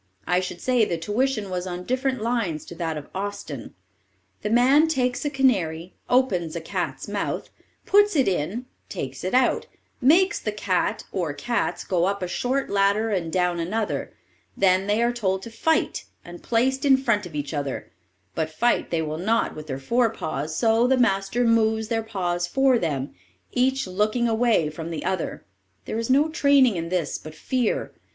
I should say the tuition was on different lines to that of Austin. The man takes a canary, opens a cat's mouth, puts it in, takes it out, makes the cat, or cats, go up a short ladder and down another; then they are told to fight, and placed in front of each other; but fight they will not with their fore paws, so the master moves their paws for them, each looking away from the other. There is no training in this but fear.